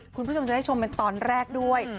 คุณผู้ชมจะได้ชมเป็นตอนแรกด้วย